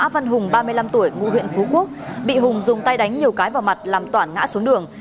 văn hùng ba mươi năm tuổi ngụ huyện phú quốc bị hùng dùng tay đánh nhiều cái vào mặt làm toản ngã xuống đường